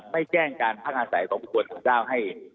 ไม่แจ้งการพังอาศัยต่อผู้ปกรณ์ของเจ้าให้